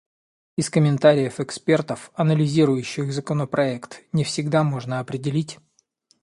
Из комментариев экспертов, анализирующих законопроект, не всегда можно определить